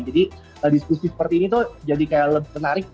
jadi diskusi seperti ini tuh jadi kayak lebih menarik